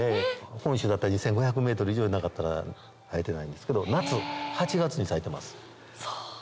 本州だったら２５００ｍ以上なかったら生えてないんですけど夏８月に咲いてます。